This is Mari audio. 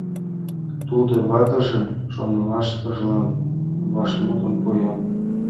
Тудо ватыжын шонымашыжлан вашмутым пуэн.